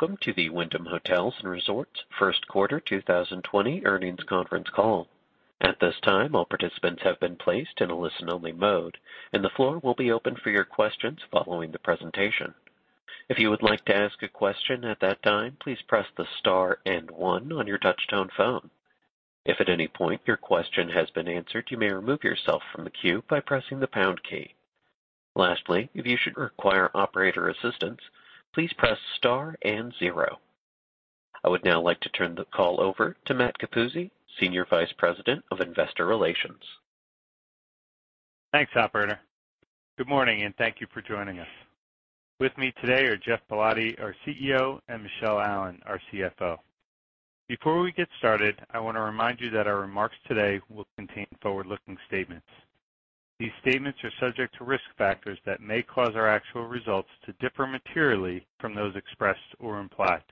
Welcome to the Wyndham Hotels & Resorts first quarter 2020 earnings conference call. At this time, all participants have been placed in a listen-only mode, and the floor will be open for your questions following the presentation. If you would like to ask a question at that time, please press the star and one on your touch-tone phone. If at any point your question has been answered, you may remove yourself from the queue by pressing the pound key. Lastly, if you should require operator assistance, please press star and zero. I would now like to turn the call over to Matt Capuzzi, Senior Vice President of Investor Relations. Thanks, Operator. Good morning, and thank you for joining us. With me today are Geoff Ballotti, our CEO, and Michele Allen, our CFO. Before we get started, I want to remind you that our remarks today will contain forward-looking statements. These statements are subject to risk factors that may cause our actual results to differ materially from those expressed or implied.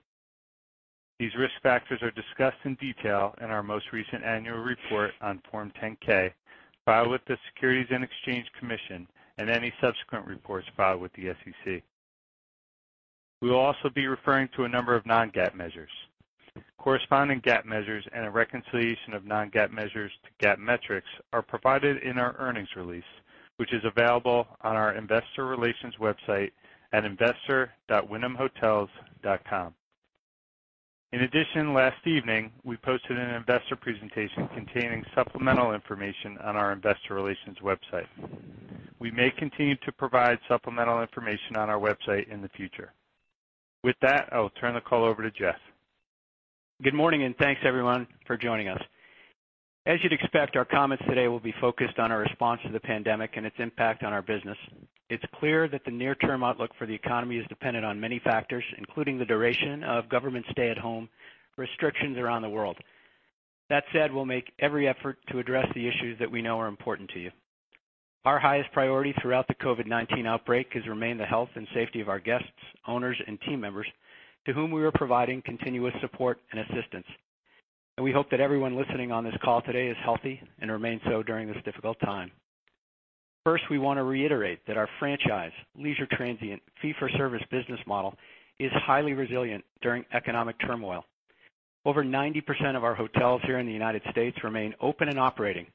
These risk factors are discussed in detail in our most recent annual report on Form 10-K filed with the Securities and Exchange Commission and any subsequent reports filed with the SEC. We will also be referring to a number of non-GAAP measures. Corresponding GAAP measures and a reconciliation of non-GAAP measures to GAAP metrics are provided in our earnings release, which is available on our investor relations website at investor.wyndhamhotels.com. In addition, last evening we posted an investor presentation containing supplemental information on our investor relations website. We may continue to provide supplemental information on our website in the future. With that, I will turn the call over to Geoff. Good morning, and thanks, everyone, for joining us. As you'd expect, our comments today will be focused on our response to the pandemic and its impact on our business. It's clear that the near-term outlook for the economy is dependent on many factors, including the duration of government stay-at-home restrictions around the world. That said, we'll make every effort to address the issues that we know are important to you. Our highest priority throughout the COVID-19 outbreak has remained the health and safety of our guests, owners, and team members to whom we are providing continuous support and assistance. We hope that everyone listening on this call today is healthy and remains so during this difficult time. First, we want to reiterate that our franchise leisure transient fee-for-service business model is highly resilient during economic turmoil. Over 90% of our hotels here in the United States remain open and operating,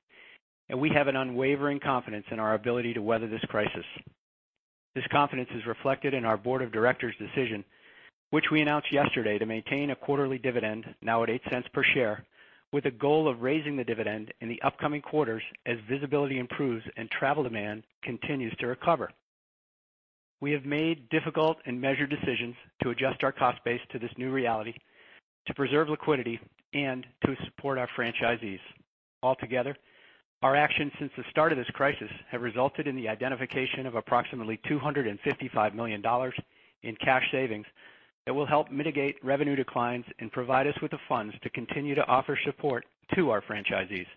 and we have an unwavering confidence in our ability to weather this crisis. This confidence is reflected in our board of directors' decision, which we announced yesterday to maintain a quarterly dividend, now at $0.08 per share, with a goal of raising the dividend in the upcoming quarters as visibility improves and travel demand continues to recover. We have made difficult and measured decisions to adjust our cost base to this new reality, to preserve liquidity, and to support our franchisees. Altogether, our actions since the start of this crisis have resulted in the identification of approximately $255 million in cash savings that will help mitigate revenue declines and provide us with the funds to continue to offer support to our franchisees.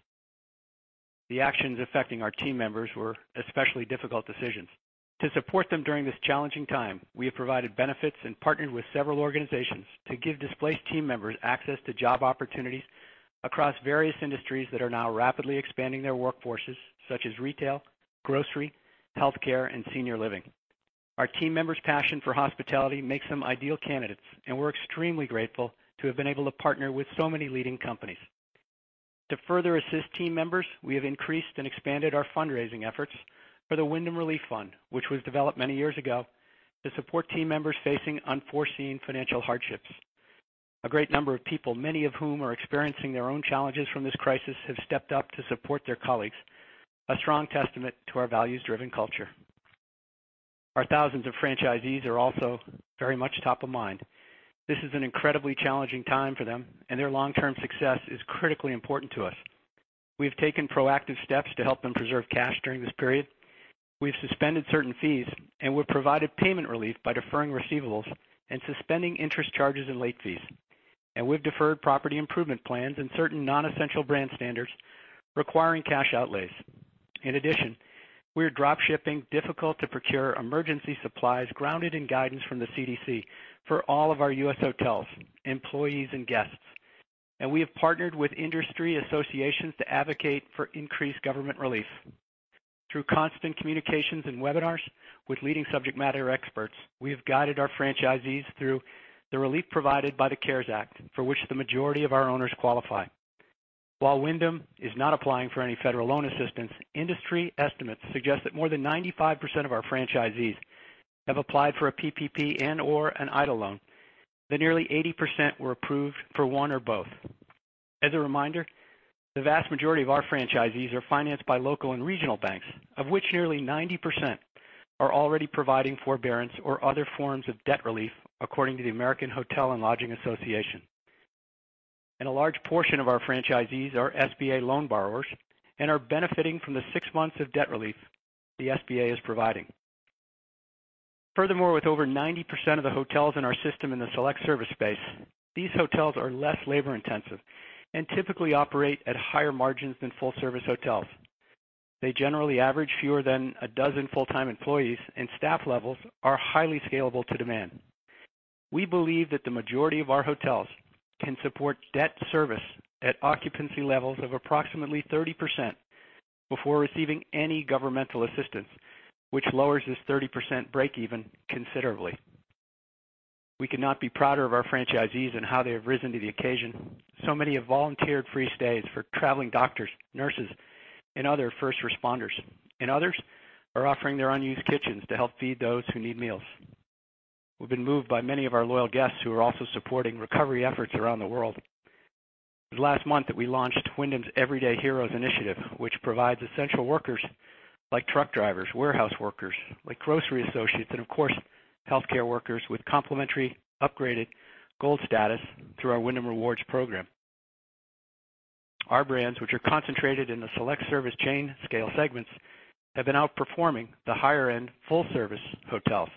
The actions affecting our team members were especially difficult decisions. To support them during this challenging time, we have provided benefits and partnered with several organizations to give displaced team members access to job opportunities across various industries that are now rapidly expanding their workforces, such as retail, grocery, healthcare, and senior living. Our team members' passion for hospitality makes them ideal candidates, and we're extremely grateful to have been able to partner with so many leading companies. To further assist team members, we have increased and expanded our fundraising efforts for the Wyndham Relief Fund, which was developed many years ago to support team members facing unforeseen financial hardships. A great number of people, many of whom are experiencing their own challenges from this crisis, have stepped up to support their colleagues, a strong testament to our values-driven culture. Our thousands of franchisees are also very much top of mind. This is an incredibly challenging time for them, and their long-term success is critically important to us. We have taken proactive steps to help them preserve cash during this period. We have suspended certain fees and we've provided payment relief by deferring receivables and suspending interest charges and late fees, and we've deferred property improvement plans and certain non-essential brand standards requiring cash outlays. In addition, we are dropshipping difficult-to-procure emergency supplies grounded in guidance from the CDC for all of our U.S. hotels, employees, and guests, and we have partnered with industry associations to advocate for increased government relief. Through constant communications and webinars with leading subject matter experts, we have guided our franchisees through the relief provided by the CARES Act, for which the majority of our owners qualify. While Wyndham is not applying for any federal loan assistance, industry estimates suggest that more than 95% of our franchisees have applied for a PPP and/or an EIDL loan. The nearly 80% were approved for one or both. As a reminder, the vast majority of our franchisees are financed by local and regional banks, of which nearly 90% are already providing forbearance or other forms of debt relief, according to the American Hotel and Lodging Association, and a large portion of our franchisees are SBA loan borrowers and are benefiting from the six months of debt relief the SBA is providing. Furthermore, with over 90% of the hotels in our system in the select service space, these hotels are less labor-intensive and typically operate at higher margins than full-service hotels. They generally average fewer than a dozen full-time employees, and staff levels are highly scalable to demand. We believe that the majority of our hotels can support debt service at occupancy levels of approximately 30% before receiving any governmental assistance, which lowers this 30% break-even considerably. We cannot be prouder of our franchisees and how they have risen to the occasion. So many have volunteered free stays for traveling doctors, nurses, and other first responders. And others are offering their unused kitchens to help feed those who need meals. We've been moved by many of our loyal guests who are also supporting recovery efforts around the world. Last month, we launched Wyndham's Everyday Heroes Initiative, which provides essential workers like truck drivers, warehouse workers, grocery associates, and, of course, healthcare workers with complimentary upgraded Gold status through our Wyndham Rewards program. Our brands, which are concentrated in the select-service chain scale segments, have been outperforming the higher-end full-service hotels.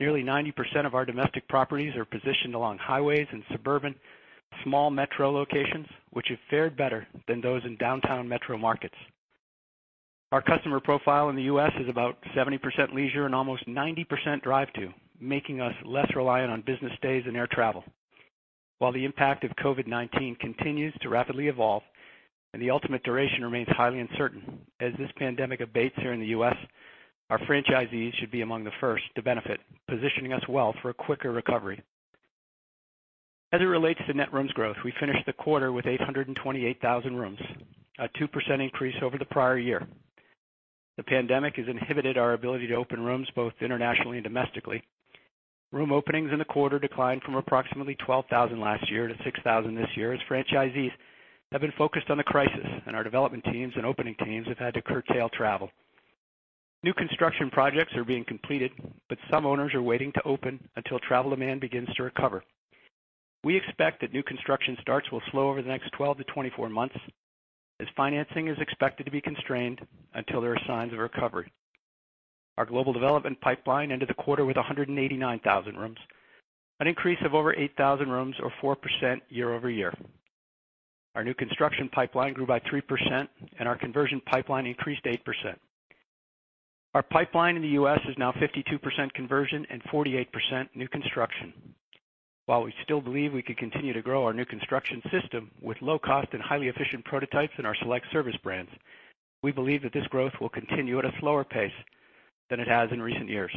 Nearly 90% of our domestic properties are positioned along highways and suburban small metro locations, which have fared better than those in downtown metro markets. Our customer profile in the U.S. is about 70% leisure and almost 90% drive-to, making us less reliant on business days and air travel. While the impact of COVID-19 continues to rapidly evolve and the ultimate duration remains highly uncertain as this pandemic abates here in the U.S., our franchisees should be among the first to benefit, positioning us well for a quicker recovery. As it relates to net rooms growth, we finished the quarter with 828,000 rooms, a 2% increase over the prior year. The pandemic has inhibited our ability to open rooms both internationally and domestically. Room openings in the quarter declined from approximately 12,000 last year to 6,000 this year as franchisees have been focused on the crisis and our development teams and opening teams have had to curtail travel. New construction projects are being completed, but some owners are waiting to open until travel demand begins to recover. We expect that new construction starts will slow over the next 12 to 24 months as financing is expected to be constrained until there are signs of recovery. Our global development pipeline ended the quarter with 189,000 rooms, an increase of over 8,000 rooms or 4% year over year. Our new construction pipeline grew by 3%, and our conversion pipeline increased 8%. Our pipeline in the U.S. is now 52% conversion and 48% new construction. While we still believe we can continue to grow our new construction system with low-cost and highly efficient prototypes in our select service brands, we believe that this growth will continue at a slower pace than it has in recent years.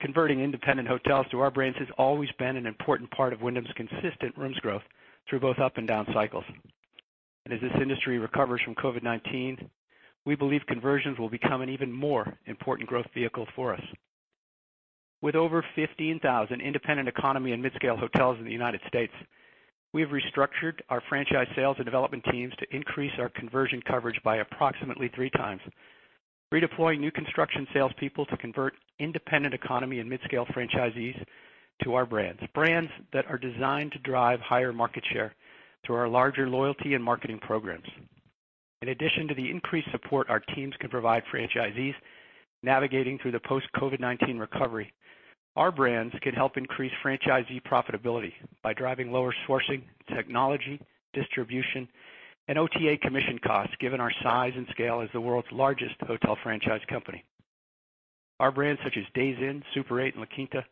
Converting independent hotels to our brand has always been an important part of Wyndham's consistent room growth through both up and down cycles. And as this industry recovers from COVID-19, we believe conversions will become an even more important growth vehicle for us. With over 15,000 independent economy and mid-scale hotels in the United States, we have restructured our franchise sales and development teams to increase our conversion coverage by approximately three times, redeploying new construction salespeople to convert independent economy and mid-scale franchisees to our brands, brands that are designed to drive higher market share through our larger loyalty and marketing programs. In addition to the increased support our teams can provide franchisees navigating through the post-COVID-19 recovery, our brands can help increase franchisee profitability by driving lower sourcing, technology, distribution, and OTA commission costs given our size and scale as the world's largest hotel franchise company. Our brands such as Days Inn, Super 8, and La Quinta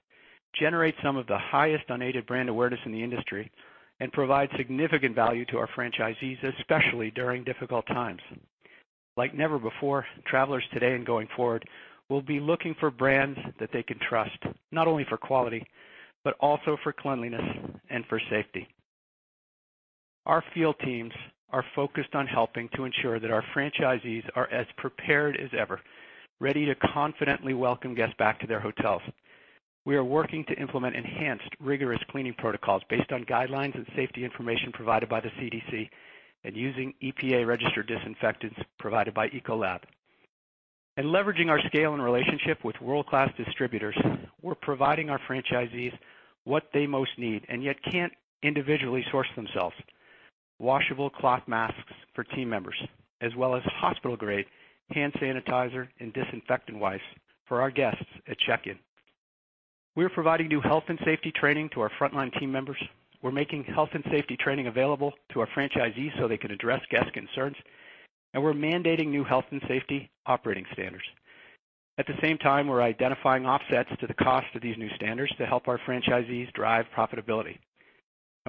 generate some of the highest unaided brand awareness in the industry and provide significant value to our franchisees, especially during difficult times. Like never before, travelers today and going forward will be looking for brands that they can trust not only for quality but also for cleanliness and for safety. Our field teams are focused on helping to ensure that our franchisees are as prepared as ever, ready to confidently welcome guests back to their hotels. We are working to implement enhanced rigorous cleaning protocols based on guidelines and safety information provided by the CDC and using EPA-registered disinfectants provided by Ecolab, and leveraging our scale and relationship with world-class distributors, we're providing our franchisees what they most need and yet can't individually source themselves: washable cloth masks for team members, as well as hospital-grade hand sanitizer and disinfectant wipes for our guests at check-in. We are providing new health and safety training to our frontline team members. We're making health and safety training available to our franchisees so they can address guest concerns, and we're mandating new health and safety operating standards. At the same time, we're identifying offsets to the cost of these new standards to help our franchisees drive profitability.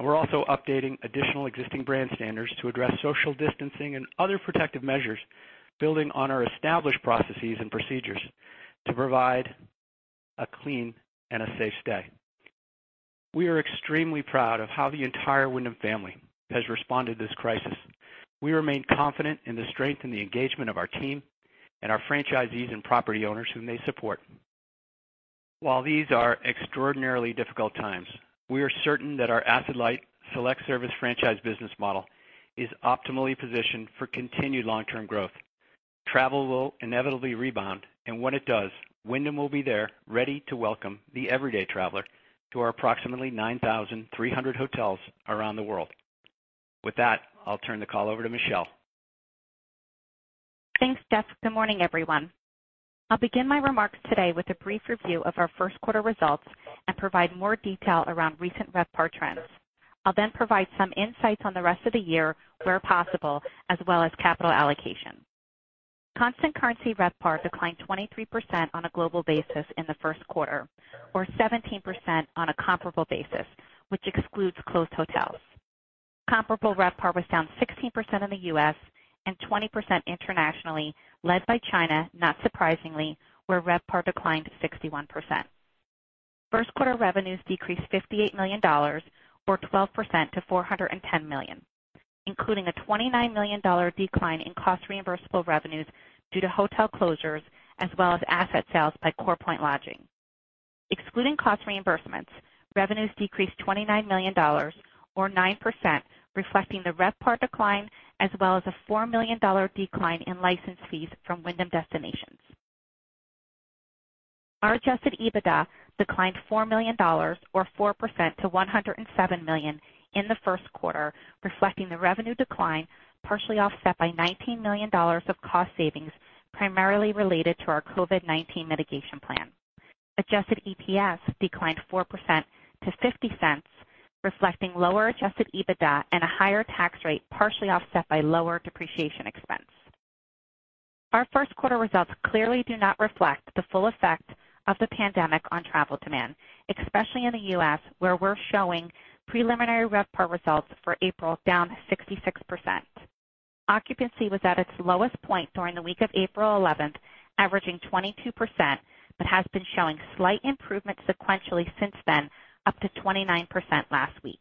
We're also updating additional existing brand standards to address social distancing and other protective measures, building on our established processes and procedures to provide a clean and safe stay. We are extremely proud of how the entire Wyndham family has responded to this crisis. We remain confident in the strength and the engagement of our team and our franchisees and property owners whom they support. While these are extraordinarily difficult times, we are certain that our asset-light select-service franchise business model is optimally positioned for continued long-term growth. Travel will inevitably rebound, and when it does, Wyndham will be there ready to welcome the everyday traveler to our approximately 9,300 hotels around the world. With that, I'll turn the call over to Michele. Thanks, Geoff. Good morning, everyone. I'll begin my remarks today with a brief review of our first quarter results and provide more detail around recent RevPAR trends. I'll then provide some insights on the rest of the year where possible, as well as capital allocation. Constant currency RevPAR declined 23% on a global basis in the first quarter, or 17% on a comparable basis, which excludes closed hotels. Comparable RevPAR was down 16% in the US and 20% internationally, led by China, not surprisingly, where RevPAR declined 61%. First quarter revenues decreased $58 million, or 12% to $410 million, including a $29 million decline in cost reimbursable revenues due to hotel closures as well as asset sales by CorePoint Lodging. Excluding cost reimbursements, revenues decreased $29 million, or 9%, reflecting the RevPAR decline as well as a $4 million decline in license fees from Wyndham Destinations. Our adjusted EBITDA declined $4 million, or 4% to $107 million in the first quarter, reflecting the revenue decline partially offset by $19 million of cost savings primarily related to our COVID-19 mitigation plan. Adjusted EPS declined 4% to $0.50, reflecting lower adjusted EBITDA and a higher tax rate partially offset by lower depreciation expense. Our first quarter results clearly do not reflect the full effect of the pandemic on travel demand, especially in the U.S., where we're showing preliminary RevPAR results for April down 66%. Occupancy was at its lowest point during the week of April 11th, averaging 22%, but has been showing slight improvement sequentially since then, up to 29% last week.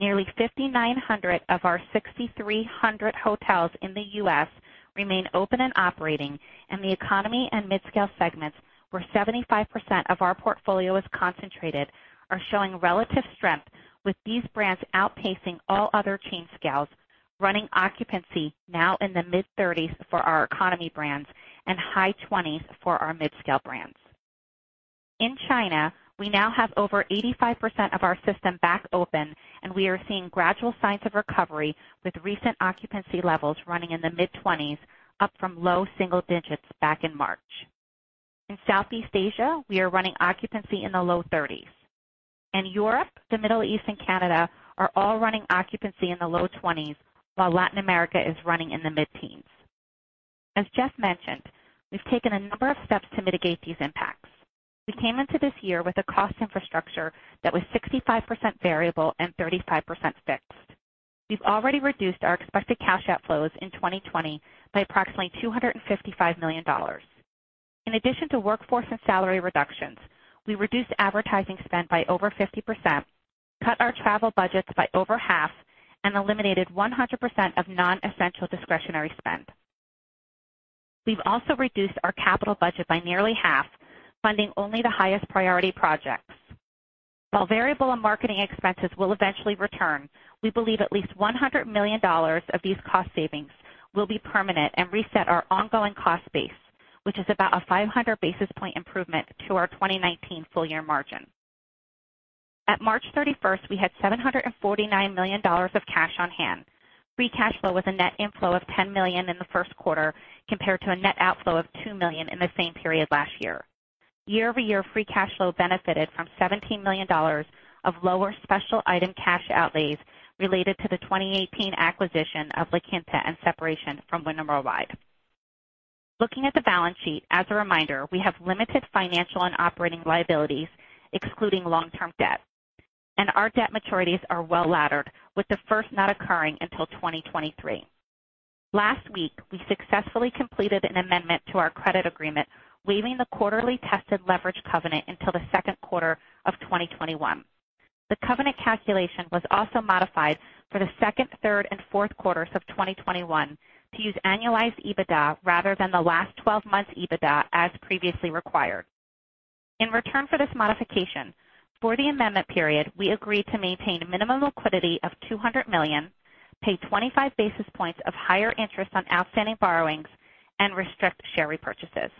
Nearly 5,900 of our 6,300 hotels in the U.S. Remain open and operating, and the economy and mid-scale segments where 75% of our portfolio is concentrated are showing relative strength, with these brands outpacing all other chain scales, running occupancy now in the mid-30s for our economy brands and high 20s for our mid-scale brands. In China, we now have over 85% of our system back open, and we are seeing gradual signs of recovery with recent occupancy levels running in the mid-20s, up from low single digits back in March. In Southeast Asia, we are running occupancy in the low 30s, and Europe, the Middle East, and Canada are all running occupancy in the low 20s, while Latin America is running in the mid-teens. As Geoff mentioned, we've taken a number of steps to mitigate these impacts. We came into this year with a cost infrastructure that was 65% variable and 35% fixed. We've already reduced our expected cash outflows in 2020 by approximately $255 million. In addition to workforce and salary reductions, we reduced advertising spend by over 50%, cut our travel budgets by over half, and eliminated 100% of non-essential discretionary spend. We've also reduced our capital budget by nearly half, funding only the highest priority projects. While variable and marketing expenses will eventually return, we believe at least $100 million of these cost savings will be permanent and reset our ongoing cost base, which is about a 500 basis point improvement to our 2019 full-year margin. At March 31st, we had $749 million of cash on hand. Free cash flow was a net inflow of $10 million in the first quarter compared to a net outflow of $2 million in the same period last year. Year-over-year, free cash flow benefited from $17 million of lower special item cash outlays related to the 2018 acquisition of La Quinta and separation from Wyndham Worldwide. Looking at the balance sheet, as a reminder, we have limited financial and operating liabilities, excluding long-term debt, and our debt maturities are well laddered, with the first not occurring until 2023. Last week, we successfully completed an amendment to our credit agreement, waiving the quarterly tested leverage covenant until the second quarter of 2021. The covenant calculation was also modified for the second, third, and fourth quarters of 2021 to use annualized EBITDA rather than the last 12 months' EBITDA as previously required. In return for this modification, for the amendment period, we agreed to maintain minimum liquidity of $200 million, pay 25 basis points of higher interest on outstanding borrowings, and restrict share repurchases.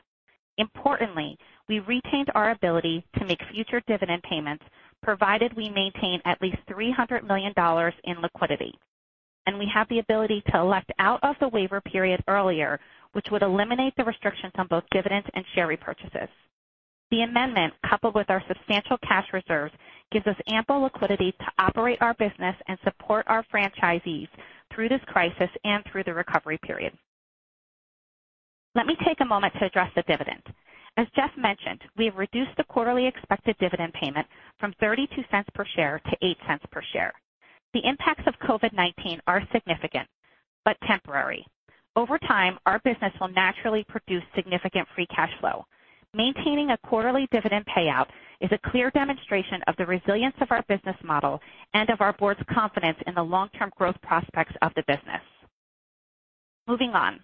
Importantly, we retained our ability to make future dividend payments provided we maintain at least $300 million in liquidity, and we have the ability to elect out of the waiver period earlier, which would eliminate the restrictions on both dividends and share repurchases. The amendment, coupled with our substantial cash reserves, gives us ample liquidity to operate our business and support our franchisees through this crisis and through the recovery period. Let me take a moment to address the dividend. As Geoff mentioned, we have reduced the quarterly expected dividend payment from $0.32 per share to $0.08 per share. The impacts of COVID-19 are significant, but temporary. Over time, our business will naturally produce significant free cash flow. Maintaining a quarterly dividend payout is a clear demonstration of the resilience of our business model and of our board's confidence in the long-term growth prospects of the business. Moving on,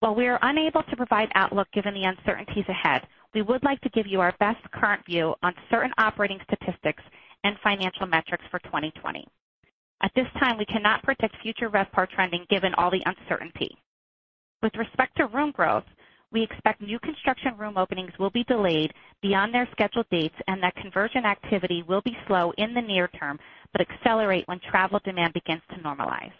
while we are unable to provide outlook given the uncertainties ahead, we would like to give you our best current view on certain operating statistics and financial metrics for 2020. At this time, we cannot predict future RevPAR trending given all the uncertainty. With respect to room growth, we expect new construction room openings will be delayed beyond their scheduled dates and that conversion activity will be slow in the near term but accelerate when travel demand begins to normalize.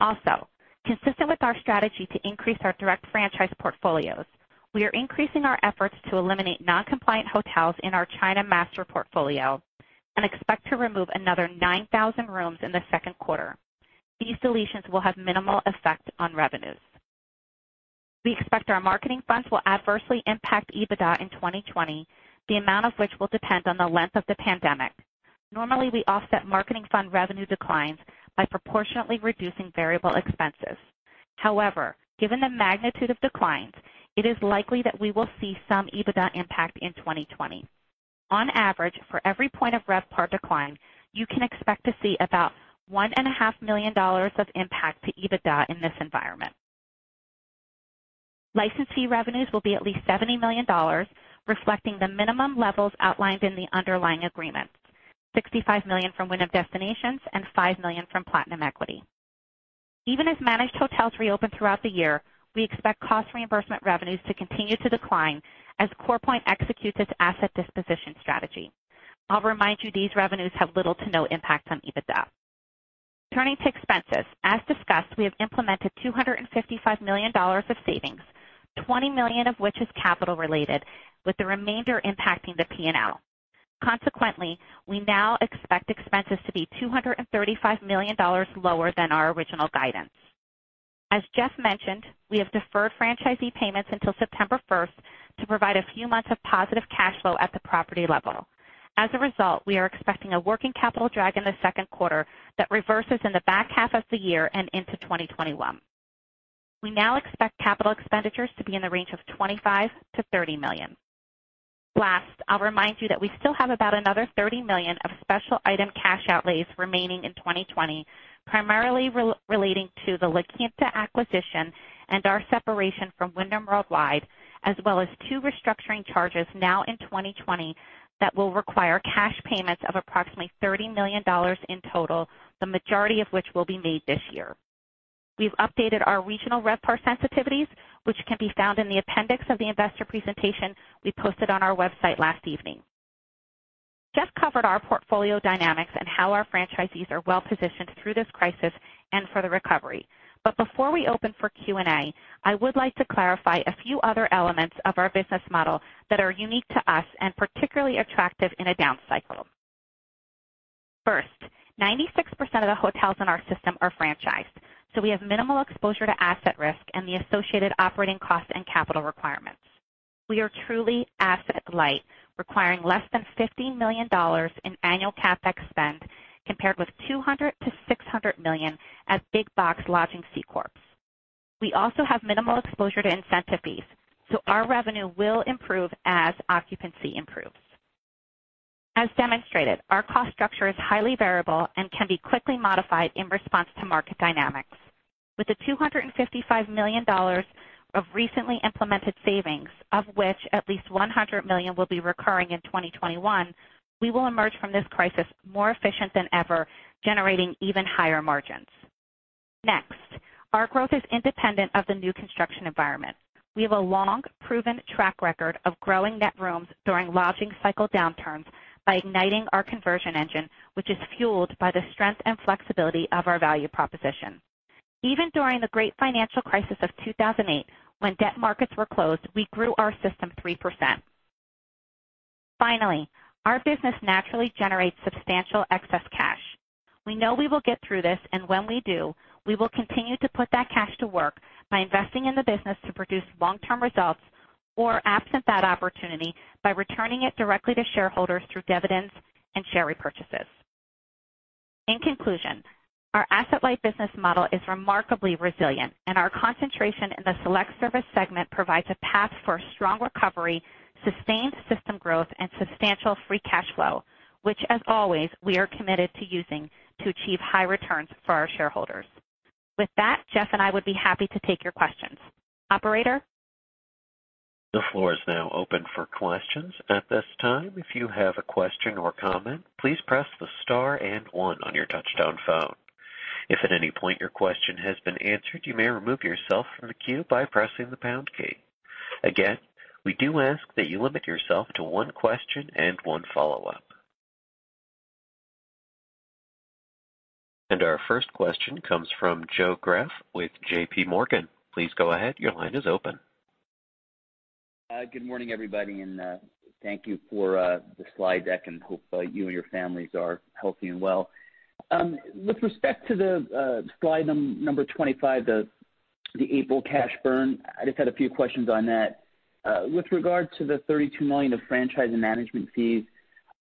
Also, consistent with our strategy to increase our direct franchise portfolios, we are increasing our efforts to eliminate non-compliant hotels in our China master portfolio and expect to remove another 9,000 rooms in the second quarter. These deletions will have minimal effect on revenues. We expect our marketing funds will adversely impact EBITDA in 2020, the amount of which will depend on the length of the pandemic. Normally, we offset marketing fund revenue declines by proportionately reducing variable expenses. However, given the magnitude of declines, it is likely that we will see some EBITDA impact in 2020. On average, for every point of RevPAR decline, you can expect to see about $1.5 million of impact to EBITDA in this environment. License fee revenues will be at least $70 million, reflecting the minimum levels outlined in the underlying agreement: $65 million from Wyndham Destinations and $5 million from Platinum Equity. Even as managed hotels reopen throughout the year, we expect cost reimbursement revenues to continue to decline as CorePoint executes its asset disposition strategy. I'll remind you these revenues have little to no impact on EBITDA. Turning to expenses, as discussed, we have implemented $255 million of savings, $20 million of which is capital-related, with the remainder impacting the P&L. Consequently, we now expect expenses to be $235 million lower than our original guidance. As Geoff mentioned, we have deferred franchisee payments until September 1st to provide a few months of positive cash flow at the property level. As a result, we are expecting a working capital drag in the second quarter that reverses in the back half of the year and into 2021. We now expect capital expenditures to be in the range of $25 million-$30 million. Last, I'll remind you that we still have about another $30 million of special item cash outlays remaining in 2020, primarily relating to the La Quinta acquisition and our separation from Wyndham Worldwide, as well as two restructuring charges now in 2020 that will require cash payments of approximately $30 million in total, the majority of which will be made this year. We've updated our regional RevPAR sensitivities, which can be found in the appendix of the investor presentation we posted on our website last evening. Geoff covered our portfolio dynamics and how our franchisees are well positioned through this crisis and for the recovery. But before we open for Q&A, I would like to clarify a few other elements of our business model that are unique to us and particularly attractive in a down cycle. First, 96% of the hotels in our system are franchised, so we have minimal exposure to asset risk and the associated operating costs and capital requirements. We are truly asset-light, requiring less than $15 million in annual CapEx spend compared with $200 million-$600 million at Big Box Lodging C Corps. We also have minimal exposure to incentive fees, so our revenue will improve as occupancy improves. As demonstrated, our cost structure is highly variable and can be quickly modified in response to market dynamics. With the $255 million of recently implemented savings, of which at least $100 million will be recurring in 2021, we will emerge from this crisis more efficient than ever, generating even higher margins. Next, our growth is independent of the new construction environment. We have a long, proven track record of growing net rooms during lodging cycle downturns by igniting our conversion engine, which is fueled by the strength and flexibility of our value proposition. Even during the great financial crisis of 2008, when debt markets were closed, we grew our system 3%. Finally, our business naturally generates substantial excess cash. We know we will get through this, and when we do, we will continue to put that cash to work by investing in the business to produce long-term results or absent that opportunity by returning it directly to shareholders through dividends and share repurchases. In conclusion, our asset-light business model is remarkably resilient, and our concentration in the select service segment provides a path for strong recovery, sustained system growth, and substantial free cash flow, which, as always, we are committed to using to achieve high returns for our shareholders. With that, Geoff and I would be happy to take your questions. Operator? The floor is now open for questions at this time. If you have a question or comment, please press the star and one on your touch-tone phone. If at any point your question has been answered, you may remove yourself from the queue by pressing the pound key. Again, we do ask that you limit yourself to one question and one follow-up. And our first question comes from Joe Greff with JPMorgan. Please go ahead. Your line is open. Good morning, everybody, and thank you for the slide deck, and hope you and your families are healthy and well. With respect to the slide number 25, the April cash burn, I just had a few questions on that. With regard to the $32 million of franchise and management fees,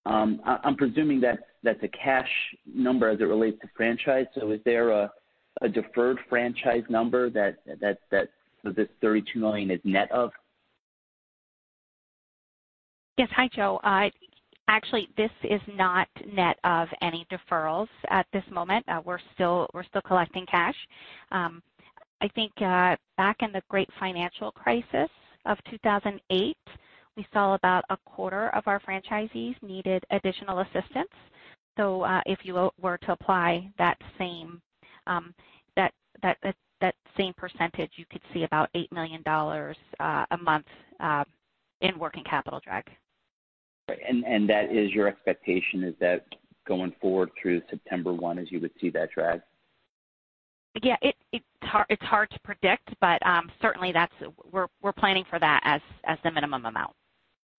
I'm presuming that's a cash number as it relates to franchise. So is there a deferred franchise number that this $32 million is net of? Yes. Hi, Joe. Actually, this is not net of any deferrals at this moment. We're still collecting cash. I think back in the great financial crisis of 2008, we saw about a quarter of our franchisees needed additional assistance. So if you were to apply that same percentage, you could see about $8 million a month in working capital drag. And that is your expectation, is that going forward through September 1, as you would see that drag? Yeah. It's hard to predict, but certainly, we're planning for that as the minimum amount.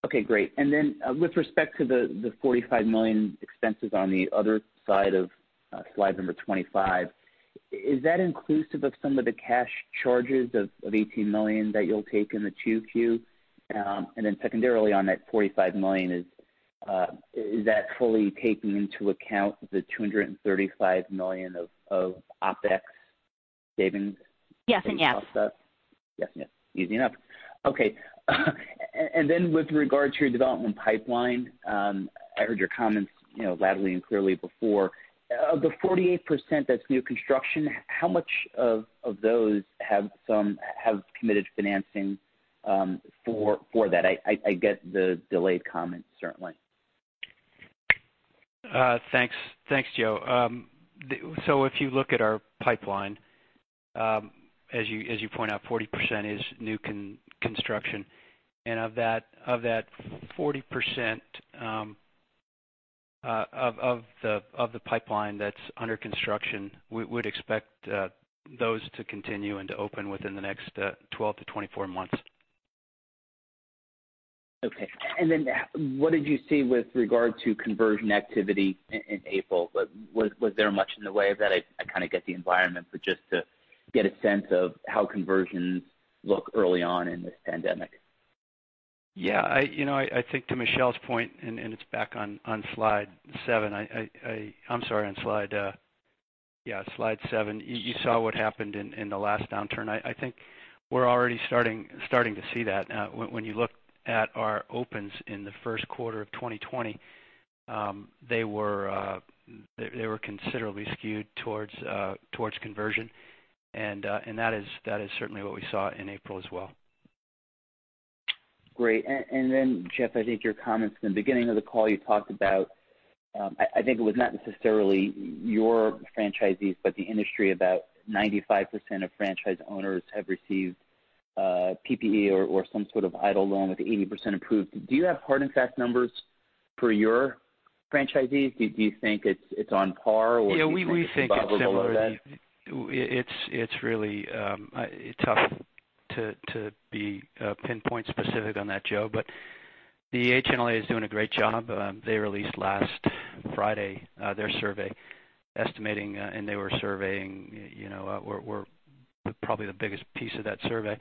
Okay. Great. And then with respect to the $45 million expenses on the other side of slide number 25, is that inclusive of some of the cash charges of $18 million that you'll take in the Q2? And then secondarily, on that $45 million, is that fully taking into account the $235 million of OpEx savings? Yes and yes. Yes and yes. Easy enough. Okay. Then with regard to your development pipeline, I heard your comments loudly and clearly before. Of the 48% that's new construction, how much of those have committed financing for that? I get the delayed comments, certainly. Thanks, Joe. So if you look at our pipeline, as you point out, 40% is new construction. And of that 40% of the pipeline that's under construction, we would expect those to continue and to open within the next 12-24 months. Okay. Then what did you see with regard to conversion activity in April? Was there much in the way of that? I kind of get the environment, but just to get a sense of how conversions look early on in this pandemic. Yeah. I think to Michele's point, and it's back on slide seven. I'm sorry, on slide seven, you saw what happened in the last downturn. I think we're already starting to see that. When you look at our opens in the first quarter of 2020, they were considerably skewed towards conversion. That is certainly what we saw in April as well. Great. Then, Geoff, I think your comments in the beginning of the call, you talked about, I think it was not necessarily your franchisees, but the industry, about 95% of franchise owners have received PPP or some sort of idle loan with 80% approved. Do you have hard and fast numbers for your franchisees? Do you think it's on par or do you think it's similar to that? Yeah. We think it's similar. It's really tough to be pinpoint specific on that, Joe, but the AHLA is doing a great job. They released last Friday their survey estimating, and they were surveying probably the biggest piece of that survey,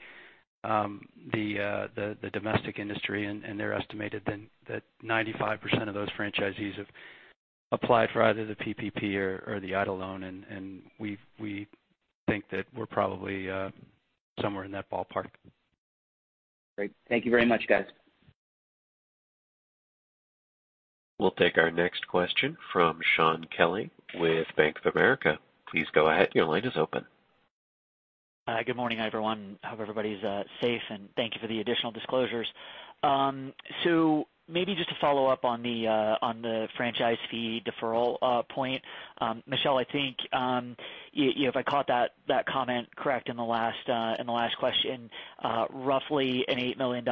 the domestic industry. And they're estimating that 95% of those franchisees have applied for either the PPP or the idle loan, and we think that we're probably somewhere in that ballpark. Great. Thank you very much, guys. We'll take our next question from Shaun Kelley with Bank of America. Please go ahead. Your line is open. Good morning, everyone. I hope everybody's safe, and thank you for the additional disclosures. So maybe just to follow up on the franchise fee deferral point, Michele, I think if I caught that comment correct in the last question, roughly an $8 million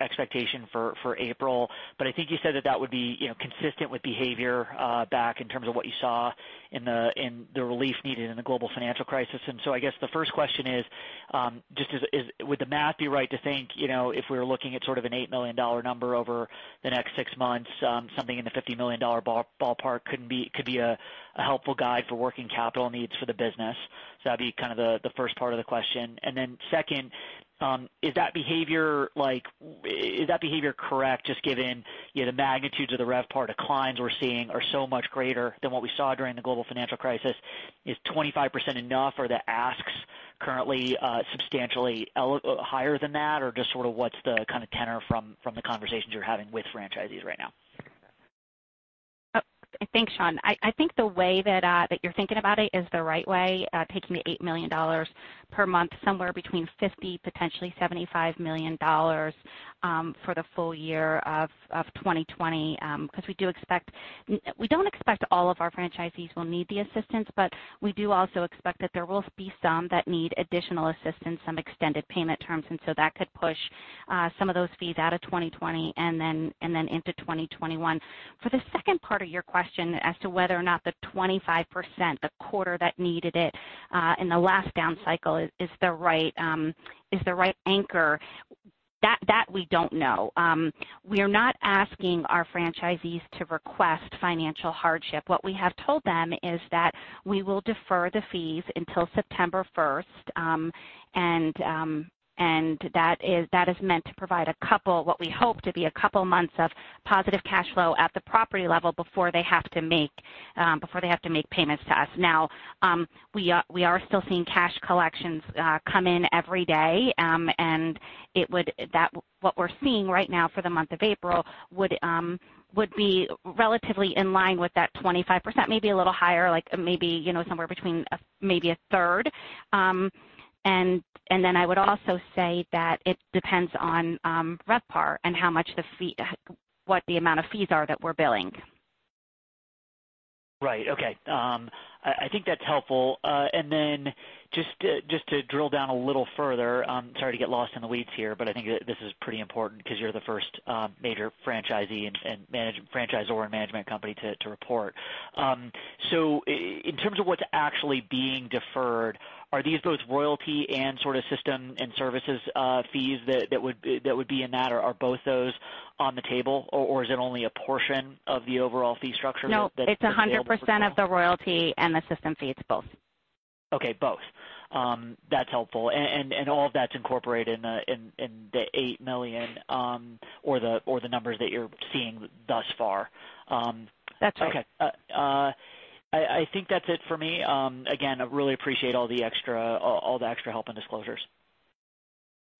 expectation for April. But I think you said that that would be consistent with behavior back in terms of what you saw in the relief needed in the global financial crisis. And so I guess the first question is, would the math be right to think if we were looking at sort of an $8 million number over the next six months, something in the $50 million ballpark could be a helpful guide for working capital needs for the business? So that'd be kind of the first part of the question. And then second, is that behavior correct, just given the magnitudes of the RevPAR declines we're seeing are so much greater than what we saw during the global financial crisis? Is 25% enough, or are the asks currently substantially higher than that, or just sort of what's the kind of tenor from the conversations you're having with franchisees right now? Thanks, Shaun. I think the way that you're thinking about it is the right way, taking the $8 million per month, somewhere between $50 million -$75 million for the full year of 2020. Because we don't expect all of our franchisees will need the assistance, but we do also expect that there will be some that need additional assistance, some extended payment terms, and so that could push some of those fees out of 2020 and then into 2021. For the second part of your question as to whether or not the 25%, the quarter that needed it in the last down cycle, is the right anchor, that we don't know. We are not asking our franchisees to request financial hardship. What we have told them is that we will defer the fees until September 1st, and that is meant to provide what we hope to be a couple of months of positive cash flow at the property level before they have to make payments to us. Now, we are still seeing cash collections come in every day, and what we're seeing right now for the month of April would be relatively in line with that 25%, maybe a little higher, maybe somewhere between a third. And then I would also say that it depends on RevPAR and what the amount of fees are that we're billing. Right. Okay. I think that's helpful. And then just to drill down a little further, sorry to get lost in the weeds here, but I think this is pretty important because you're the first major franchisee and franchisor and management company to report. So in terms of what's actually being deferred, are these both royalty and sort of system and services fees that would be in that, or are both those on the table, or is it only a portion of the overall fee structure? No. It's 100% of the royalty and the system fees, both. Okay. Both. That's helpful. And all of that's incorporated in the $8 million or the numbers that you're seeing thus far. That's right. Okay. I think that's it for me. Again, I really appreciate all the extra help and disclosures.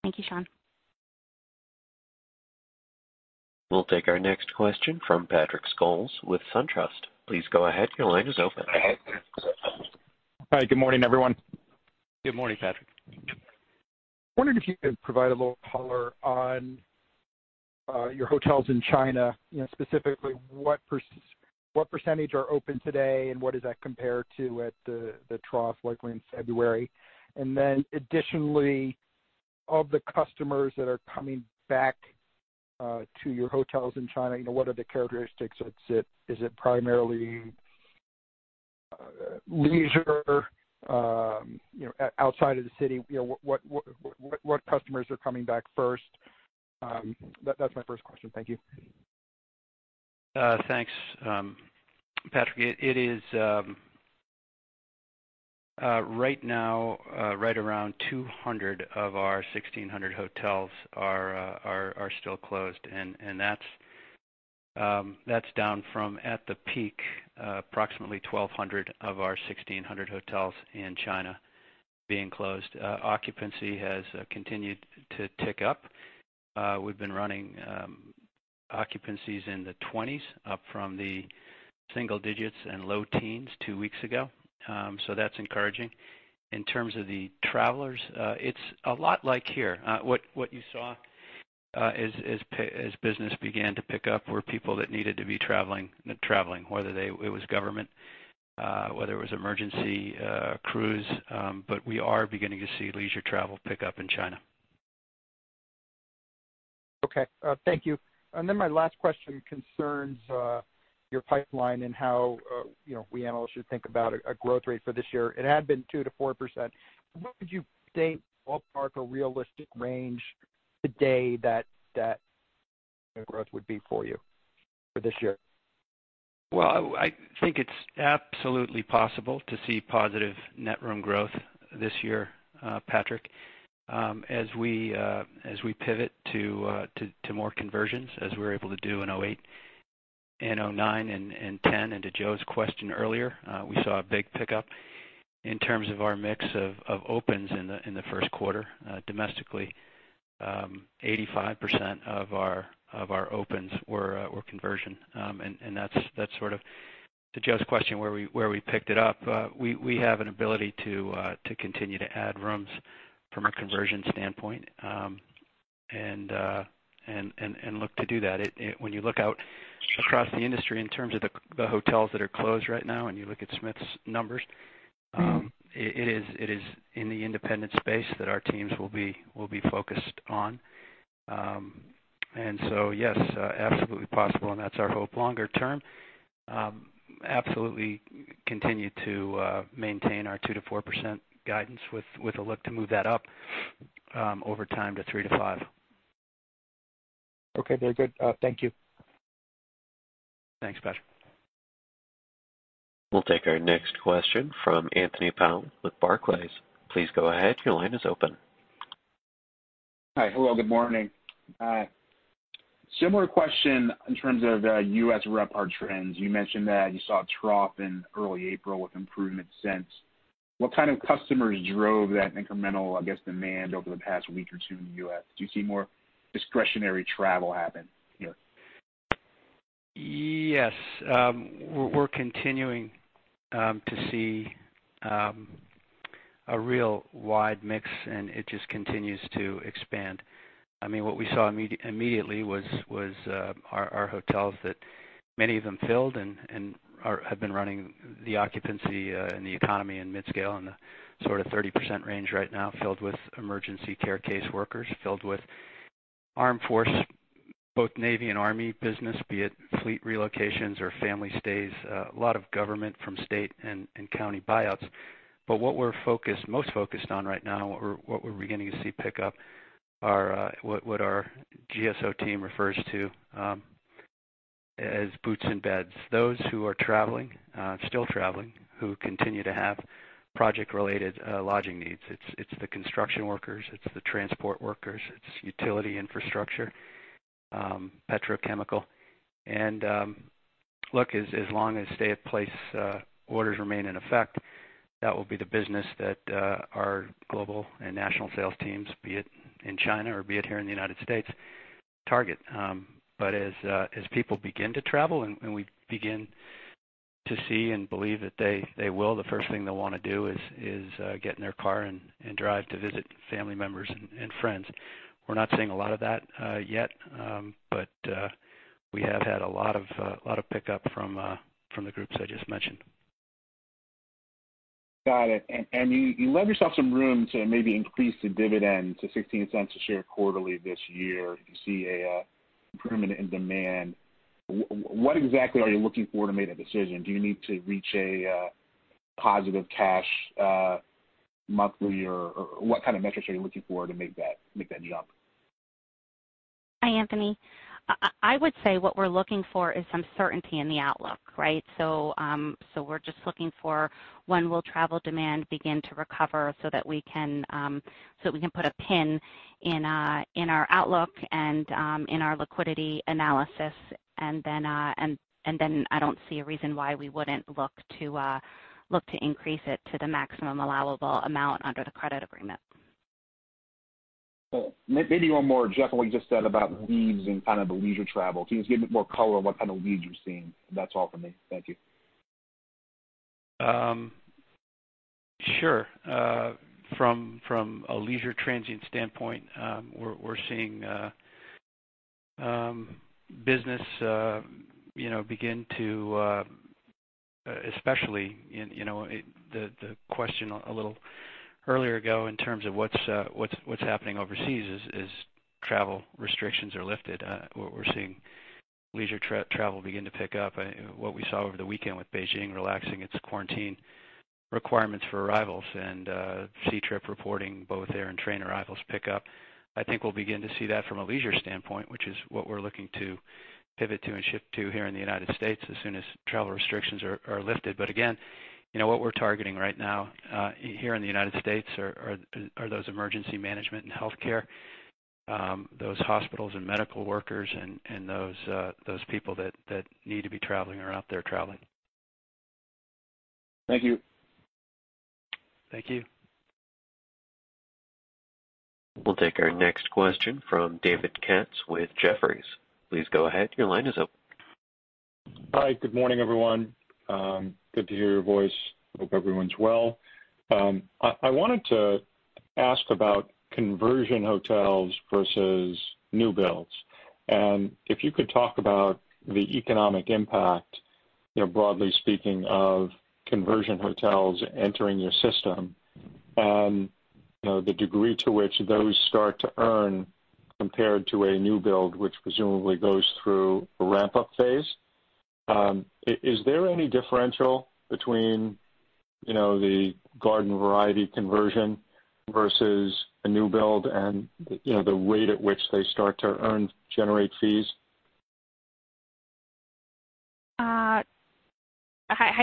Thank you, Shaun. We'll take our next question from Patrick Scholes with SunTrust. Please go ahead. Your line is open. Hi. Good morning, everyone. Good morning, Patrick. Wondered if you could provide a little color on your hotels in China, specifically what percentage are open today, and what does that compare to at the trough likely in February? And then additionally, of the customers that are coming back to your hotels in China, what are the characteristics? Is it primarily leisure outside of the city? What customers are coming back first? That's my first question. Thank you. Thanks, Patrick. It is right now, right around 200 of our 1,600 hotels are still closed, and that's down from at the peak, approximately 1,200 of our 1,600 hotels in China being closed. Occupancy has continued to tick up. We've been running occupancies in the 20s, up from the single digits and low teens two weeks ago. So that's encouraging. In terms of the travelers, it's a lot like here. What you saw as business began to pick up were people that needed to be traveling, whether it was government, whether it was emergency crews. But we are beginning to see leisure travel pick up in China. Okay. Thank you. And then my last question concerns your pipeline and how we analysts should think about a growth rate for this year. It had been 2%-4%. What would you say is a realistic range today that growth would be for you for this year? Well, I think it's absolutely possible to see positive net room growth this year, Patrick, as we pivot to more conversions, as we're able to do in 2008 and 2009 and 2010. And to Joe's question earlier, we saw a big pickup in terms of our mix of opens in the first quarter. Domestically, 85% of our opens were conversions. That's sort of to Joe's question where we picked it up. We have an ability to continue to add rooms from a conversion standpoint and look to do that. When you look out across the industry in terms of the hotels that are closed right now and you look at Smith's numbers, it is in the independent space that our teams will be focused on. And so yes, absolutely possible, and that's our hope longer term. Absolutely continue to maintain our 2%-4% guidance with a look to move that up over time to 3%-5%. Okay. Very good. Thank you. Thanks, Patrick. We'll take our next question from Anthony Powell with Barclays. Please go ahead. Your line is open. Hi. Hello. Good morning. Hi. Similar question in terms of U.S. RevPAR trends. You mentioned that you saw a trough in early April with improvement since. What kind of customers drove that incremental, I guess, demand over the past week or two in the U.S.? Do you see more discretionary travel happen here? Yes. We're continuing to see a real wide mix, and it just continues to expand. I mean, what we saw immediately was our hotels that many of them filled and have been running the occupancy in the economy and mid-scale in the sort of 30% range right now, filled with emergency care case workers, filled with armed forces, both Navy and Army business, be it fleet relocations or family stays, a lot of government from state and county buyouts. But what we're most focused on right now, what we're beginning to see pick up, what our GSO team refers to as boots and beds, those who are traveling, still traveling, who continue to have project-related lodging needs. It's the construction workers. It's the transport workers. It's utility infrastructure, petrochemical. And look, as long as stay-at-home orders remain in effect, that will be the business that our global and national sales teams, be it in China or be it here in the United States, target. But as people begin to travel and we begin to see and believe that they will, the first thing they'll want to do is get in their car and drive to visit family members and friends. We're not seeing a lot of that yet, but we have had a lot of pickup from the groups I just mentioned. Got it. And you left yourself some room to maybe increase the dividend to $0.16 a share quarterly this year. You see an improvement in demand. What exactly are you looking for to make a decision? Do you need to reach a positive cash flow monthly, or what kind of metrics are you looking for to make that jump? Hi, Anthony. I would say what we're looking for is some certainty in the outlook, right? So we're just looking for when will travel demand begin to recover so that we can put a pin in our outlook and in our liquidity analysis. And then I don't see a reason why we wouldn't look to increase it to the maximum allowable amount under the credit agreement. Maybe one more on Geoff, what you just said about leisure and kind of the leisure travel. Can you just give me more color on what kind of leisure you're seeing? That's all for me. Thank you. Sure. From a leisure transient standpoint, we're seeing business begin to especially the question a little earlier ago in terms of what's happening overseas as travel restrictions are lifted. We're seeing leisure travel begin to pick up. What we saw over the weekend with Beijing relaxing its quarantine requirements for arrivals and Ctrip reporting, both air and train arrivals pick up. I think we'll begin to see that from a leisure standpoint, which is what we're looking to pivot to and shift to here in the United States as soon as travel restrictions are lifted. But again, what we're targeting right now here in the United States are those emergency management and healthcare, those hospitals and medical workers, and those people that need to be traveling or out there traveling. Thank you. Thank you. We'll take our next question from David Katz with Jefferies. Please go ahead. Your line is open. Hi. Good morning, everyone. Good to hear your voice. Hope everyone's well. I wanted to ask about conversion hotels versus new builds. And if you could talk about the economic impact, broadly speaking, of conversion hotels entering your system and the degree to which those start to earn compared to a new build, which presumably goes through a ramp-up phase. Is there any differential between the garden variety conversion versus a new build and the rate at which they start to earn, generate fees? Hi,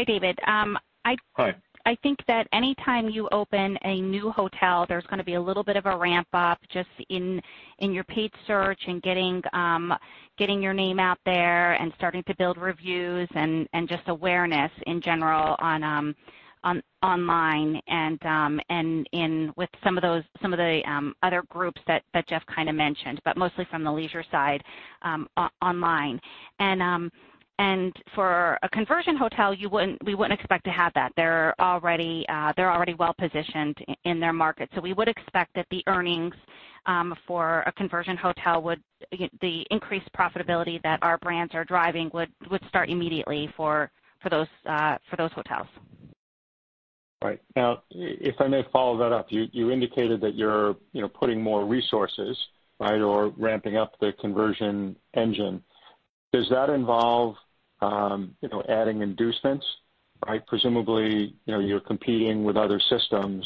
David. Hi. I think that anytime you open a new hotel, there's going to be a little bit of a ramp-up just in your paid search and getting your name out there and starting to build reviews and just awareness in general online and with some of the other groups that Geoff kind of mentioned, but mostly from the leisure side online, and for a conversion hotel, we wouldn't expect to have that. They're already well-positioned in their market, so we would expect that the earnings for a conversion hotel, the increased profitability that our brands are driving, would start immediately for those hotels. Right. Now, if I may follow that up, you indicated that you're putting more resources, right, or ramping up the conversion engine. Does that involve adding inducements, right? Presumably, you're competing with other systems,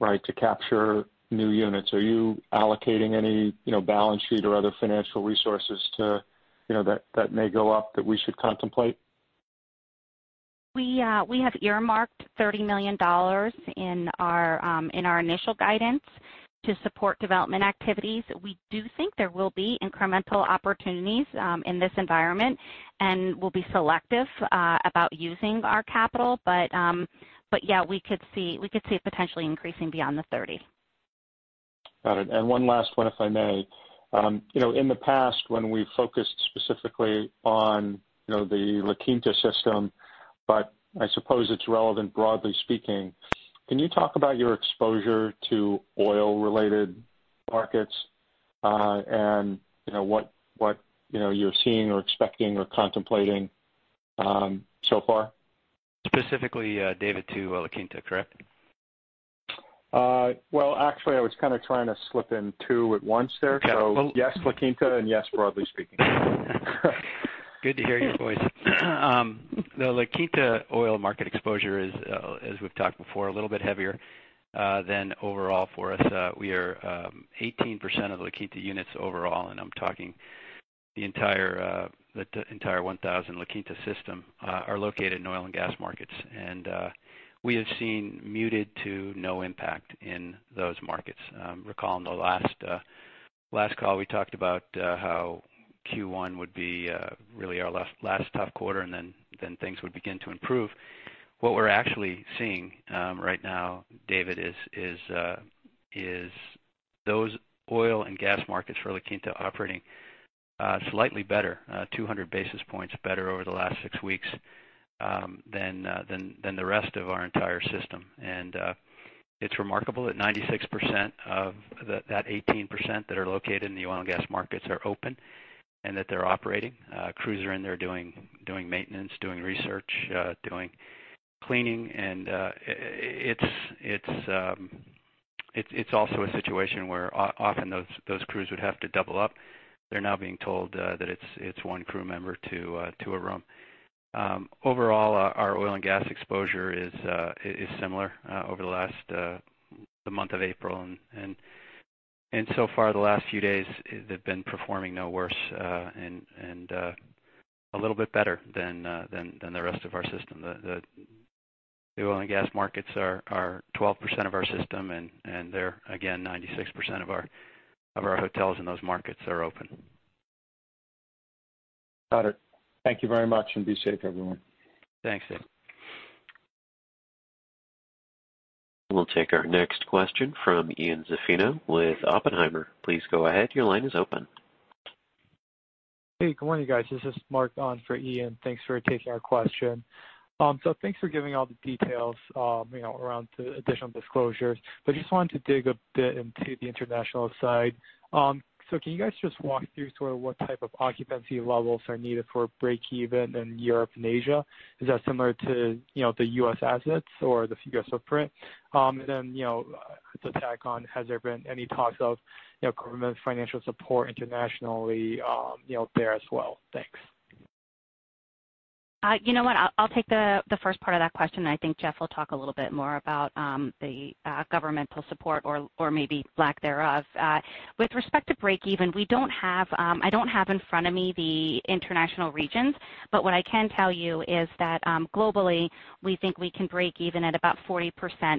right, to capture new units. Are you allocating any balance sheet or other financial resources that may go up that we should contemplate? We have earmarked $30 million in our initial guidance to support development activities. We do think there will be incremental opportunities in this environment and will be selective about using our capital. But yeah, we could see it potentially increasing beyond the $30 million. Got it. And one last one, if I may. In the past, when we focused specifically on the La Quinta system, but I suppose it's relevant broadly speaking, can you talk about your exposure to oil-related markets and what you're seeing or expecting or contemplating so far? Specifically, David, to La Quinta, correct? Well, actually, I was kind of trying to slip in two at once there. So yes, La Quinta, and yes, broadly speaking. Good to hear your voice. The La Quinta oil market exposure is, as we've talked before, a little bit heavier than overall for us. We are 18% of the La Quinta units overall, and I'm talking the entire 1,000 La Quinta system are located in oil and gas markets. And we have seen muted to no impact in those markets. Recall in the last call, we talked about how Q1 would be really our last tough quarter, and then things would begin to improve. What we're actually seeing right now, David, is those oil and gas markets for La Quinta operating slightly better, 200 basis points better over the last six weeks than the rest of our entire system. And it's remarkable that 96% of that 18% that are located in the oil and gas markets are open and that they're operating. Crews are in there doing maintenance, doing research, doing cleaning. And it's also a situation where often those crews would have to double up. They're now being told that it's one crew member to a room. Overall, our oil and gas exposure is similar over the last month of April. And so far, the last few days, they've been performing no worse and a little bit better than the rest of our system. The oil and gas markets are 12% of our system, and they're, again, 96% of our hotels in those markets are open. Got it. Thank you very much, and be safe, everyone. Thanks, David. We'll take our next question from Ian Zaffino with Oppenheimer. Please go ahead. Your line is open. Hey, good morning, guys. This is Mark on for Ian. Thanks for taking our question. So thanks for giving all the details around the additional disclosures. I just wanted to dig a bit into the international side. So can you guys just walk through sort of what type of occupancy levels are needed for break-even in Europe and Asia? Is that similar to the U.S. assets or the U.S. footprint? And then to tack on, has there been any talks of government financial support internationally there as well? Thanks. You know what? I'll take the first part of that question. I think Geoff will talk a little bit more about the governmental support or maybe lack thereof. With respect to break-even, I don't have in front of me the international regions, but what I can tell you is that globally, we think we can break even at about 40%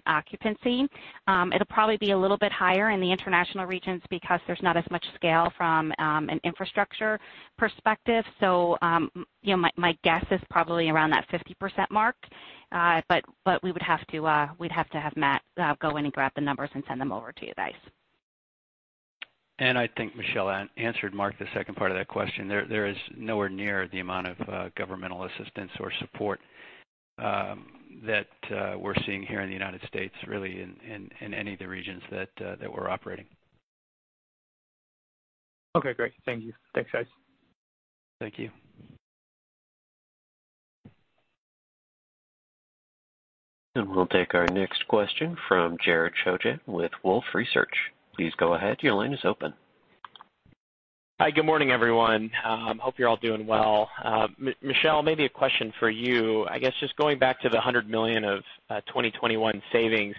occupancy. It'll probably be a little bit higher in the international regions because there's not as much scale from an infrastructure perspective. So my guess is probably around that 50% mark, but we would have to have Matt go in and grab the numbers and send them over to you guys. And I think Michele answered Mark the second part of that question. There is nowhere near the amount of governmental assistance or support that we're seeing here in the United States, really, in any of the regions that we're operating. Okay. Great. Thank you. Thanks, guys. Thank you. And we'll take our next question from Jared Shojaian with Wolfe Research. Please go ahead. Your line is open. Hi. Good morning, everyone. Hope you're all doing well. Michele, maybe a question for you. I guess just going back to the $100 million of 2021 savings,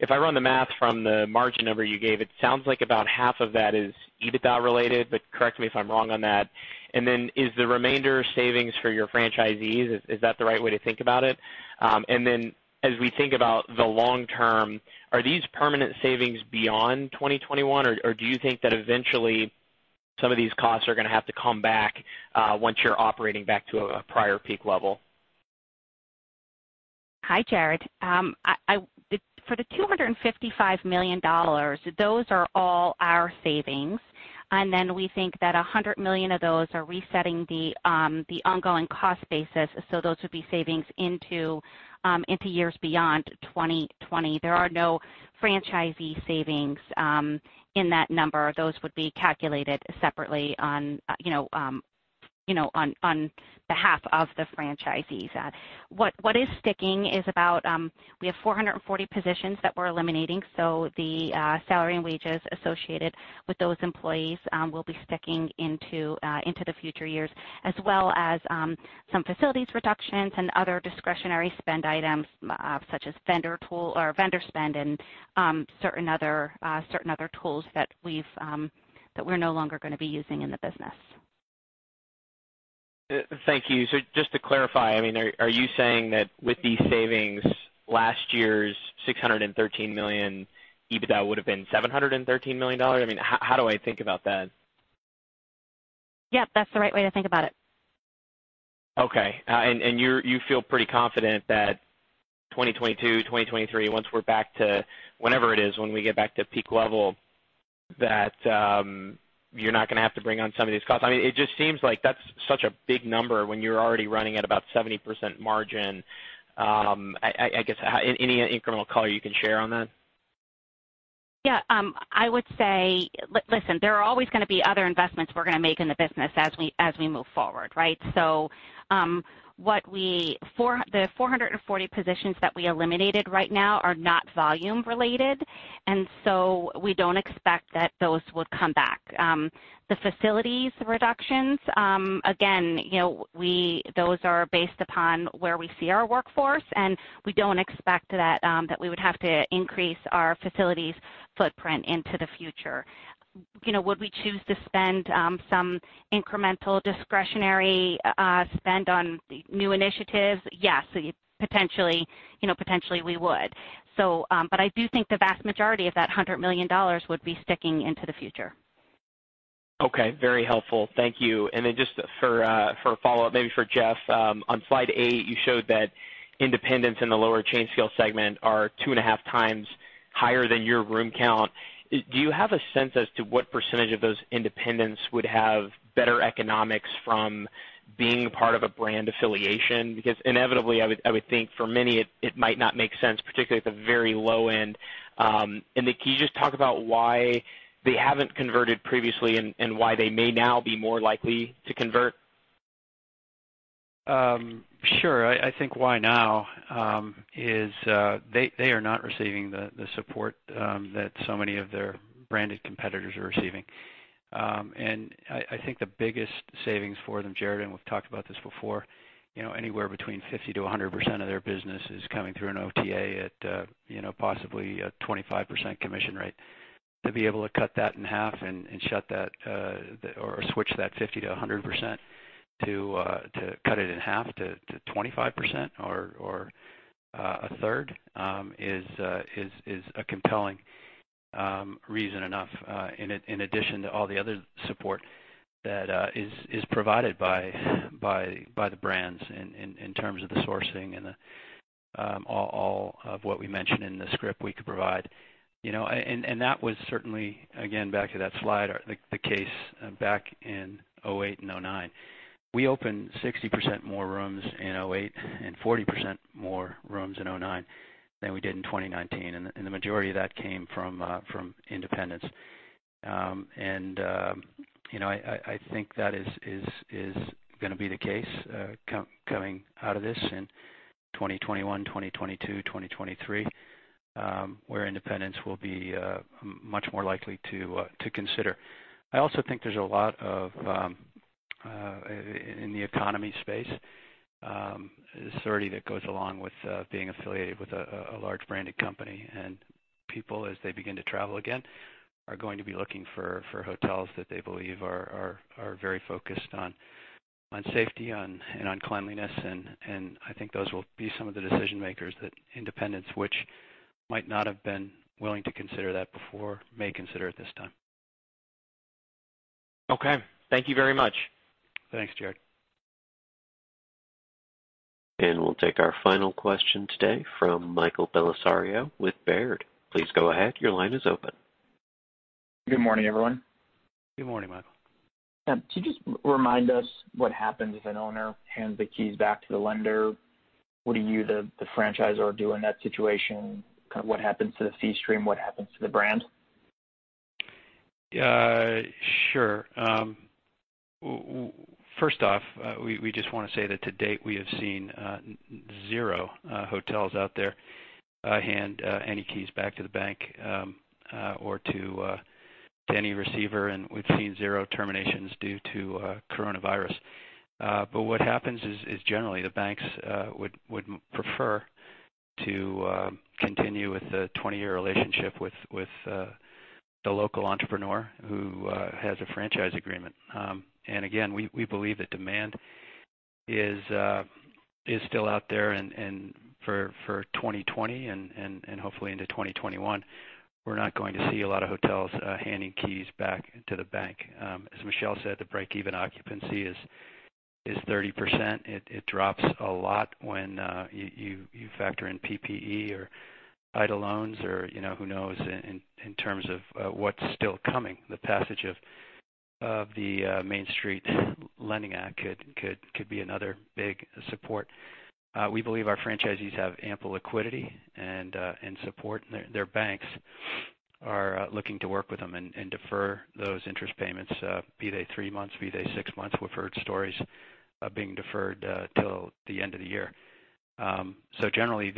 if I run the math from the margin number you gave, it sounds like about half of that is EBITDA related, but correct me if I'm wrong on that. And then is the remainder savings for your franchisees? Is that the right way to think about it? And then as we think about the long term, are these permanent savings beyond 2021, or do you think that eventually some of these costs are going to have to come back once you're operating back to a prior peak level? Hi, Jared. For the $255 million, those are all our savings. And then we think that $100 million of those are resetting the ongoing cost basis. So those would be savings into years beyond 2020. There are no franchisee savings in that number. Those would be calculated separately on behalf of the franchisees. What is sticking is about we have 440 positions that we're eliminating. So the salary and wages associated with those employees will be sticking into the future years, as well as some facilities reductions and other discretionary spend items such as vendor spend and certain other tools that we're no longer going to be using in the business. Thank you. So just to clarify, I mean, are you saying that with these savings, last year's $613 million EBITDA would have been $713 million? I mean, how do I think about that? Yep. That's the right way to think about it. Okay. And you feel pretty confident that 2022, 2023, once we're back to whenever it is, when we get back to peak level, that you're not going to have to bring on some of these costs? I mean, it just seems like that's such a big number when you're already running at about 70% margin. I guess any incremental color you can share on that? Yeah. I would say, listen, there are always going to be other investments we're going to make in the business as we move forward, right? So the 440 positions that we eliminated right now are not volume-related, and so we don't expect that those would come back. The facilities reductions, again, those are based upon where we see our workforce, and we don't expect that we would have to increase our facilities footprint into the future. Would we choose to spend some incremental discretionary spend on new initiatives? Yes. Potentially, we would. But I do think the vast majority of that $100 million would be sticking into the future. Okay. Very helpful. Thank you. Then just for a follow-up, maybe for Geoff, on slide eight, you showed that independents in the lower chain scale segment are two and a half times higher than your room count. Do you have a sense as to what percentage of those independents would have better economics from being part of a brand affiliation? Because inevitably, I would think for many, it might not make sense, particularly at the very low end. And can you just talk about why they haven't converted previously and why they may now be more likely to convert? Sure. I think why now is they are not receiving the support that so many of their branded competitors are receiving. I think the biggest savings for them, Jared, and we've talked about this before, anywhere between 50%-100% of their business is coming through an OTA at possibly a 25% commission rate. To be able to cut that in half and shut that or switch that 50%-100% to cut it in half to 25% or a third is a compelling reason enough, in addition to all the other support that is provided by the brands in terms of the sourcing and all of what we mentioned in the script we could provide. That was certainly, again, back to that slide, the case back in 2008 and 2009. We opened 60% more rooms in 2008 and 40% more rooms in 2009 than we did in 2019. The majority of that came from independents. I think that is going to be the case coming out of this in 2021, 2022, 2023, where independents will be much more likely to consider. I also think there's a lot in the economy space, the surety that goes along with being affiliated with a large branded company. And people, as they begin to travel again, are going to be looking for hotels that they believe are very focused on safety and on cleanliness. And I think those will be some of the decision-makers that independents, which might not have been willing to consider that before, may consider at this time. Okay. Thank you very much. Thanks, Jared. And we'll take our final question today from Michael Bellisario with Baird. Please go ahead. Your line is open. Good morning, everyone. Good morning, Michael. Can you just remind us what happens if an owner hands the keys back to the lender? What do you, the franchisor, do in that situation? What happens to the fee stream? What happens to the brand? Sure. First off, we just want to say that to date, we have seen zero hotels out there hand any keys back to the bank or to any receiver. And we've seen zero terminations due to coronavirus. But what happens is, generally, the banks would prefer to continue with a 20-year relationship with the local entrepreneur who has a franchise agreement. And again, we believe that demand is still out there. And for 2020 and hopefully into 2021, we're not going to see a lot of hotels handing keys back to the bank. As Michele said, the break-even occupancy is 30%. It drops a lot when you factor in PPP or title loans or who knows in terms of what's still coming. The passage of the Main Street Lending Act could be another big support. We believe our franchisees have ample liquidity and support. Their banks are looking to work with them and defer those interest payments, be they three months, be they six months. We've heard stories of being deferred till the end of the year. So generally,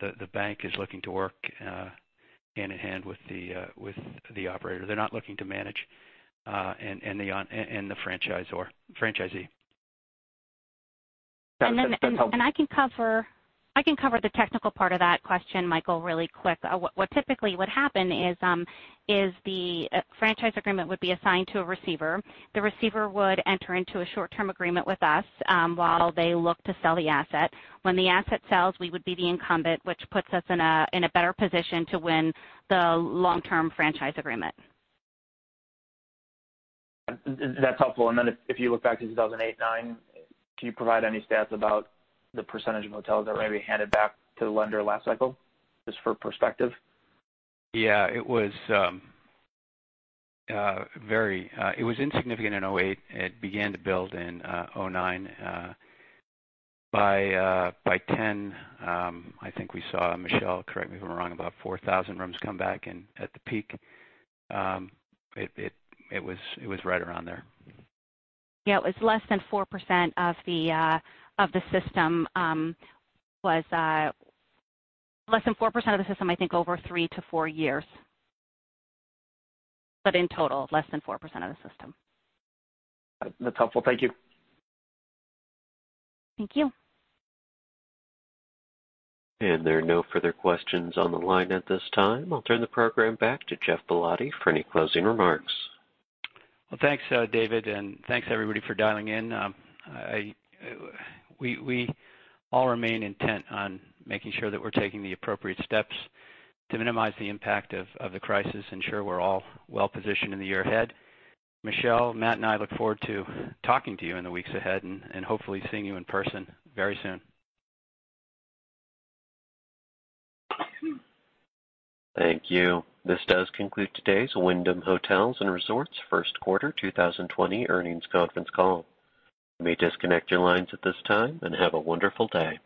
the bank is looking to work hand in hand with the operator. They're not looking to manage and the franchisee. And I can cover the technical part of that question, Michael, really quick. What typically would happen is the franchise agreement would be assigned to a receiver. The receiver would enter into a short-term agreement with us while they look to sell the asset. When the asset sells, we would be the incumbent, which puts us in a better position to win the long-term franchise agreement. That's helpful. And then if you look back to 2008, 2009, can you provide any stats about the percentage of hotels that were maybe handed back to the lender last cycle? Just for perspective. Yeah. It was very insignificant in 2008. It began to build in 2009. By 2010, I think we saw, Michele, correct me if I'm wrong, about 4,000 rooms come back at the peak. It was right around there. Yeah. It was less than 4% of the system was less than 4% of the system, I think, over three to four years. But in total, less than 4% of the system. That's helpful. Thank you. Thank you. And there are no further questions on the line at this time. I'll turn the program back to Geoff Ballotti for any closing remarks. Well, thanks, David. And thanks, everybody, for dialing in. We all remain intent on making sure that we're taking the appropriate steps to minimize the impact of the crisis, ensure we're all well-positioned in the year ahead. Michele, Matt, and I look forward to talking to you in the weeks ahead and hopefully seeing you in person very soon. Thank you. This does conclude today's Wyndham Hotels & Resorts first quarter 2020 earnings conference call. You may disconnect your lines at this time and have a wonderful day.